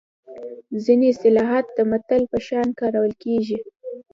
ځینې اصطلاحات د متل په شان کارول کیږي